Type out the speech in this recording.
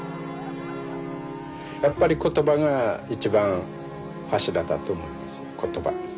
やっぱり言葉が一番柱だと思います言葉。